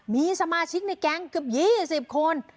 มีสมาชิกในแก๊งเกือบ๒๐คน